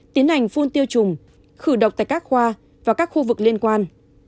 tiến hành phun tiêu trùng khử độc tại các khoa và các khu vực liên quan